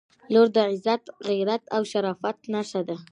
• لور د عزت، غیرت او شرافت نښه ده.